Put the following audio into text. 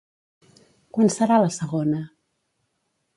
Quan serà la segona?